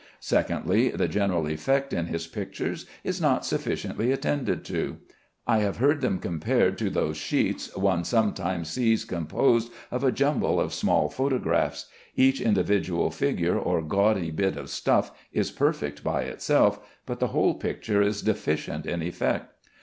Secondly, the general effect in his pictures is not sufficiently attended to. I have heard them compared to those sheets one sometimes sees composed of a jumble of small photographs. Each individual figure or gaudy bit of stuff is perfect by itself, but the whole picture is deficient in effect.